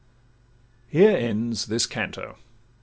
Here ends this canto.